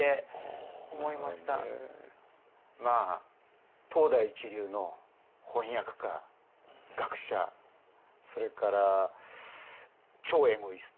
まあ当代一流の翻訳家学者それから超エゴイスト。